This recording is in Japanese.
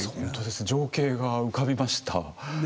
情景が浮かびました。ね。